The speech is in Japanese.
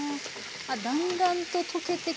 あっだんだんと溶けてきました。